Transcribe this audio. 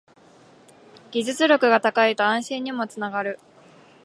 技術力が高いと安心にもつながる